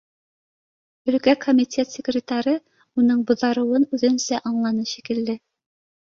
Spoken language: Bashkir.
Әлкә комитет секретары уның буҙарыуын үҙенсә щлапы шикелле: